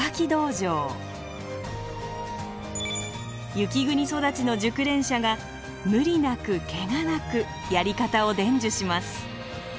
雪国育ちの熟練者が無理なくけがなくやり方を伝授します。